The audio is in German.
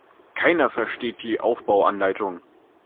Keiner versteht die Aufbauanleitung.